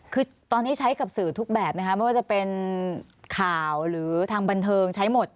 คือตอนนี้ใช้กับสื่อทุกแบบไหมคะไม่ว่าจะเป็นข่าวหรือทางบันเทิงใช้หมด